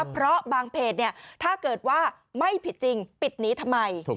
เพราะบางเพจถ้าเกิดว่าไม่ผิดจริงปิดหนีทำไม